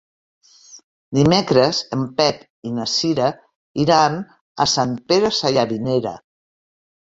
Dimecres en Pep i na Cira iran a Sant Pere Sallavinera.